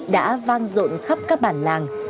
đã vang rộn khắp các bản làng